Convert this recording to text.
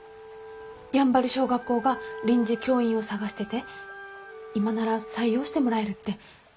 山原小学校が臨時教員を探してて今なら採用してもらえるって。